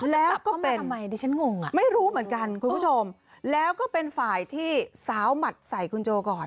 แล้วก็เป็นไม่รู้เหมือนกันคุณผู้ชมแล้วก็เป็นฝ่ายที่สาวหมัดใส่คุณโจก่อน